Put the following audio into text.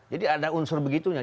jadi ada unsur begitunya